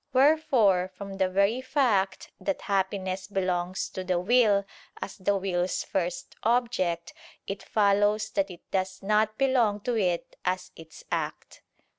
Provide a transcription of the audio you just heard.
Wherefore, from the very fact that happiness belongs to the will, as the will's first object, it follows that it does not belong to it as its act.